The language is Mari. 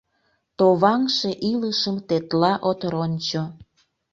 Товаҥше илышым тетла от рончо.